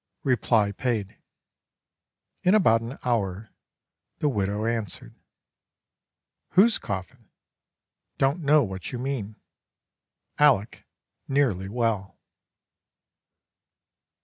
Reply paid." In about an hour the widow answered: "Whose coffin? Don't know what you mean. Aleck nearly well."